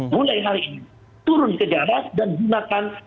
mulai hari ini turun kejaras dan gunakan